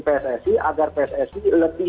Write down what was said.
pssi agar pssi lebih